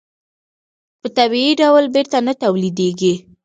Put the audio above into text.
په طبیعي ډول بېرته نه تولیدېږي.